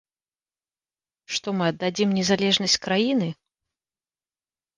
Што мы аддадзім незалежнасць краіны?